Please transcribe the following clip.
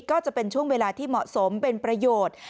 ก็จะเป็นช่วงเวลาที่เหมาะสมเป็นประโยชน์